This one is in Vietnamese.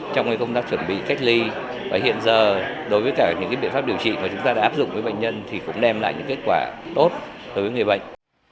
trong công tác chuẩn bị cách ly và hiện giờ đối với cả những biện pháp điều trị mà chúng ta đã áp dụng với bệnh nhân thì cũng đem lại những kết quả tốt đối với người bệnh